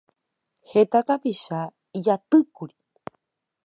Heta tapicha ijatýkuri